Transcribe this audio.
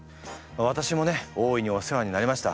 私もね大いにお世話になりました。